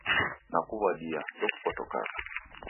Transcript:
Nakuw'adia, ndokupotokagha.